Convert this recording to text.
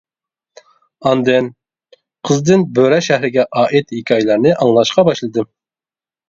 ئاندىن قىزدىن بۆرە شەھىرىگە ئائىت ھېكايىلەرنى ئاڭلاشقا باشلىدىم.